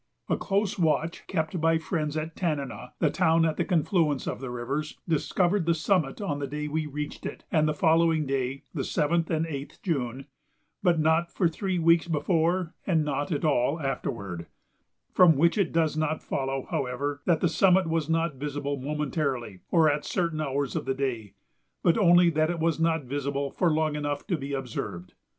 A close watch kept by friends at Tanana (the town at the confluence of the rivers) discovered the summit on the day we reached it and the following day (the 7th and 8th June) but not for three weeks before and not at all afterward; from which it does not follow, however, that the summit was not visible momentarily, or at certain hours of the day, but only that it was not visible for long enough to be observed.